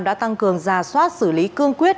đã tăng cường ra soát xử lý cương quyết